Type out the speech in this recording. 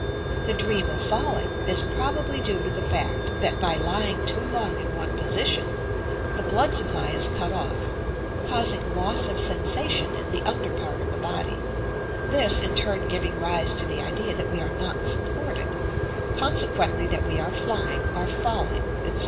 The dream of falling is probably due to the fact that, by lying too long in one position, the blood supply is cut off, causing loss of sensation in the under part of the body, this in turn giving rise to the idea that we are not supported, consequently that we are flying or falling, etc.